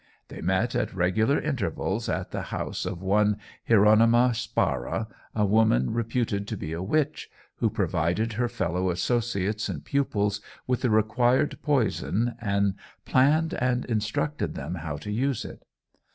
They met at regular intervals at the house of one Hieronyma Spara, a woman reputed to be a witch, who provided her fellow associates and pupils with the required poison, and planned and instructed them how to use it.